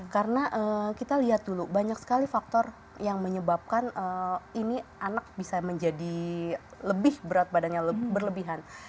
karena kita lihat dulu banyak sekali faktor yang menyebabkan ini anak bisa menjadi lebih berat badannya berlebihan